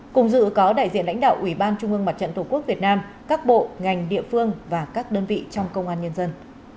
cùng dự có đại diện lãnh đạo ủy ban trung ương mặt trận tổ quốc việt nam các bộ ngành địa phương và các đơn vị trong công an nhân dân